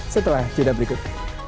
setelah judah berikut